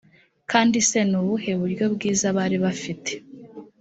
kandi se ni ubuhe buryo bwiza bari bafite?